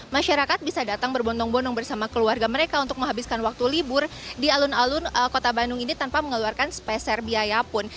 masyarakat bisa datang berbondong bondong bersama keluarga mereka untuk menghabiskan waktu libur di alun alun kota bandung ini tanpa mengeluarkan speser biaya pun